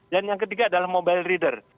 dan yang ketiga adalah mobile reader